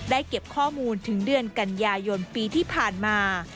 เก็บข้อมูลถึงเดือนกันยายนปีที่ผ่านมา